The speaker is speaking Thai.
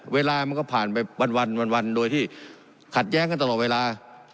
เวลามันก็ผ่านไปวันโดยที่ขัดแย้งกันตลอดเวลา